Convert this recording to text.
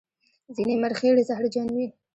ځینې مرخیړي زهرجن وي